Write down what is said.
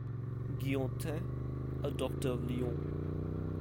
Guillotin, a doctor of Lyons.